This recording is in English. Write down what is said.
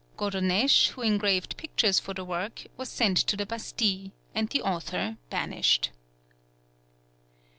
Godonesche, who engraved pictures for the work, was sent to the Bastille, and the author banished.